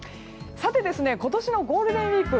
今年のゴールデンウィーク